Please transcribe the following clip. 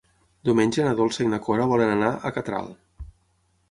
Diumenge na Dolça i na Cora volen anar a Catral.